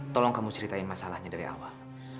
tolong kamu ceritain masalahnya dari awal